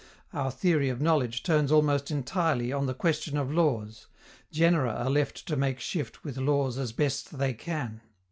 Our theory of knowledge turns almost entirely on the question of laws: genera are left to make shift with laws as best they can.